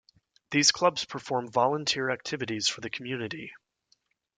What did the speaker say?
These clubs perform volunteer activities for the community.